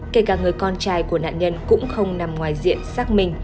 kể cả người con trai của nạn nhân cũng không nằm ngoài diện xác minh